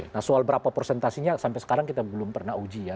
nah soal berapa persentasinya sampai sekarang kita belum pernah uji ya